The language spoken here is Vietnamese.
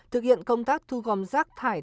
thực hiện công tác thu gom rác thải